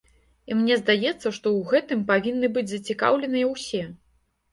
І мне здаецца, што ў гэтым павінны быць зацікаўленыя ўсе.